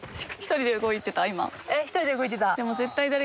１人で動いてた。